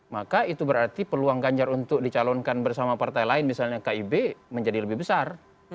maka itu berarti peluang ganjar untuk dicalonkan bersama partai lain misalnya kib menjadi lebih besar